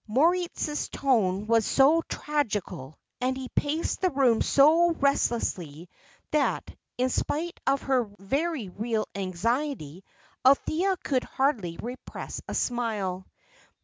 Moritz's tone was so tragical, and he paced the room so restlessly, that, in spite of her very real anxiety, Althea could hardly repress a smile.